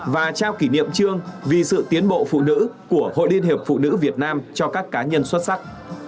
và trao kỷ niệm trương vì sự tiến bộ phụ nữ của hội liên hiệp phụ nữ việt nam cho các cá nhân xuất sắc